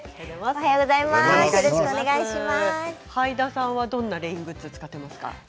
はいださんはどんなレイングッズを使っていますか？